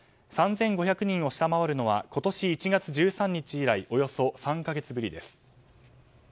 ３５００人を下回るのは今年１月１３日以来およそ３か月ぶりです。